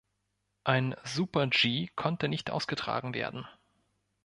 Ein Super-G konnte nicht ausgetragen werden.